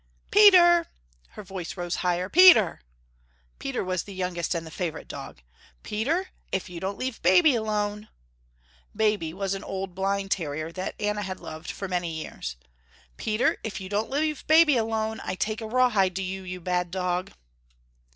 "Peter!", her voice rose higher, "Peter!", Peter was the youngest and the favorite dog, "Peter, if you don't leave Baby alone," Baby was an old, blind terrier that Anna had loved for many years, "Peter if you don't leave Baby alone, I take a rawhide to you, you bad dog."